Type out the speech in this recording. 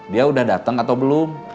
dia udah datang atau belum